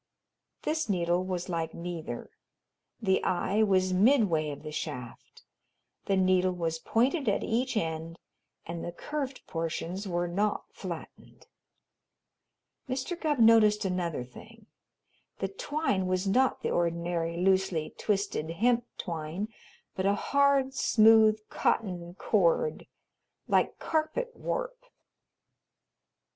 This needle was like neither; the eye was midway of the shaft; the needle was pointed at each end and the curved portions were not flattened. Mr. Gubb noticed another thing the twine was not the ordinary loosely twisted hemp twine, but a hard, smooth cotton cord, like carpet warp.